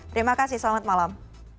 terima kasih selamat malam